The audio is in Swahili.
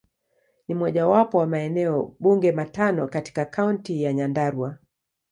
Ni mojawapo wa maeneo bunge matano katika Kaunti ya Nyandarua.